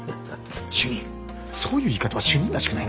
主任そういう言い方は主任らしくないな。